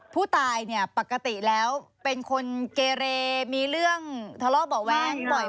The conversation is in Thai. ผู้ตายเนี่ยปกติแล้วเป็นคนเกเรมีเรื่องทะเลาะเบาะแว้งบ่อย